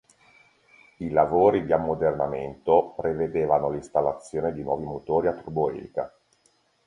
I lavori di ammodernamento prevedevano l’installazione di nuovi motori a turboelica.